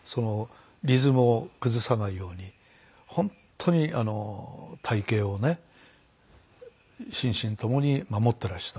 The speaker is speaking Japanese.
リズムを崩さないように本当にあの体形をね心身ともに守ってらした。